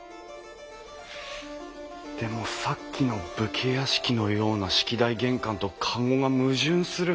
でもさっきの武家屋敷のような式台玄関と籠が矛盾する。